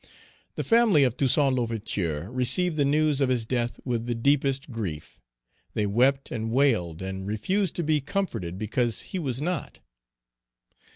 The family of Toussaint L'Ouverture received the news of his death with the deepest grief. They wept and wailed, and refused to be comforted because he was not.